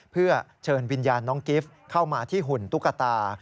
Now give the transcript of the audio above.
เพื่อเชิญวิญญาณน้องกิฟต์เข้ามาที่หุ่นตุ๊กตา